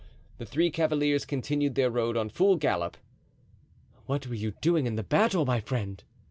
The three cavaliers continued their road on full gallop. "What were you doing in the battle, my friend?"